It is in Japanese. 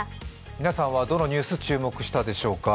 皆さんはどのニュース注目したでしょうか。